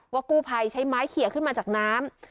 กู้ภัยใช้ไม้เขียขึ้นมาจากน้ำ